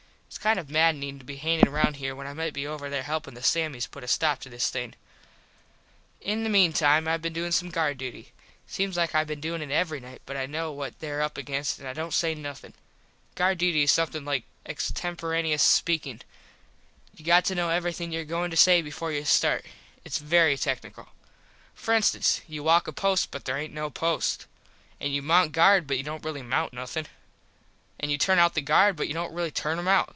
Its kind of maddening to be hangin round here when I might be over there helpin the Sammies put a stop to this thing. [Illustration: "YOU WALK A POST BUT THERE AINT NO POST"] In the mean time I been doin guard duty. Seems like I been doin it every night but I know what there up against and I dont say nothin. Guard duty is something like extemperaneus speakin. You got to know everything your goin to say before you start. Its very tecknickle. For instance you walk a post but there aint no post. An you mount guard but you dont really mount nothin. An you turn out the guard but you dont really turn em out.